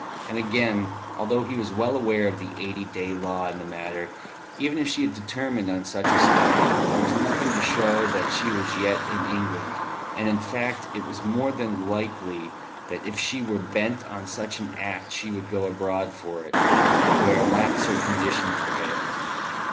And, again, although he was well aware of the eight day law in the matter, even if she had determined on such a step there was nothing to show that she was yet in England, and, in fact, it was more than likely that if she were bent on such an act she would go abroad for it, where laxer conditions prevailed.